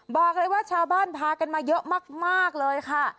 บอกเลยว่าชาวบ้านพากันมาเยอะมากเลยค่ะ